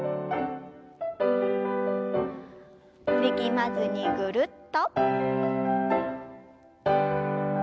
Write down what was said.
力まずにぐるっと。